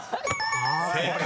［正解。